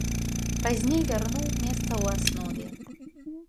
Пазней вярнуў месца ў аснове.